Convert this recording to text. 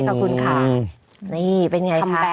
ขอบคุณค่ะนี่เป็นไงคะ